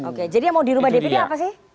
oke jadi yang mau dirubah dpd apa sih